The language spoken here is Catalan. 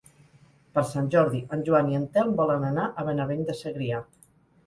Per Sant Jordi en Joan i en Telm volen anar a Benavent de Segrià.